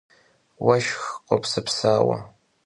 Vueşşx khopsepsaue.